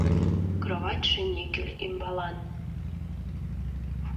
Кроватьше никель ӱмбалан.